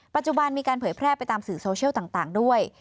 ปัจจุบันมีการเผยแพร่ไปตามสื่อโซเชียลต่างด้วย